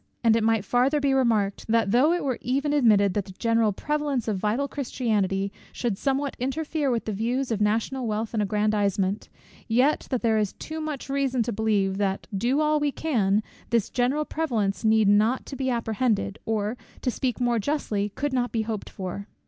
And it might farther be remarked, that though it were even admitted, that the general prevalence of vital Christianity should somewhat interfere with the views of national wealth and aggrandisement; yet that there is too much reason to believe that, do all we can, this general prevalence needs not to be apprehended, or, to speak more justly, could not be hoped for.